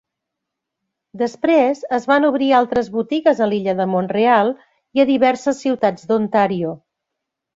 Després es van obrir altres botigues a l'illa de Mont-real, i a diverses ciutats d'Ontario.